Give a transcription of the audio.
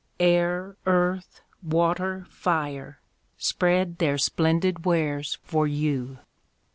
Air, earth, water, fire, spread their splendid wares for you.